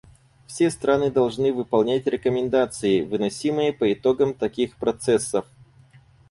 Все страны должны выполнять рекомендации, выносимые по итогам таких процессов.